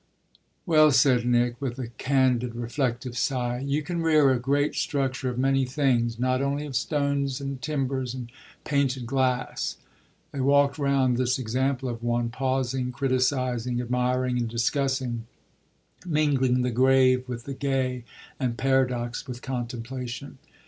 "Well," said Nick with a candid, reflective sigh, "you can rear a great structure of many things not only of stones and timbers and painted glass." They walked round this example of one, pausing, criticising, admiring, and discussing; mingling the grave with the gay and paradox with contemplation.